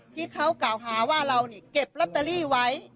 ที่เขากล่าวหาว่าเรานี่เก็บลอตเตอรี่ไว้